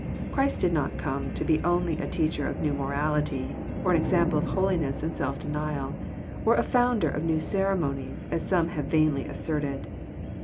Christ did not come to be only a teacher of new morality, or an example of holiness and self denial, or a founder of new ceremonies, as some have vainly asserted.